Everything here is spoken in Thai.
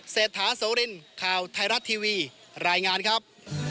เศรษฐาโสรินข่าวไทยรัฐทีวีรายงานครับ